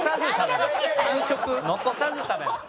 残さず食べます。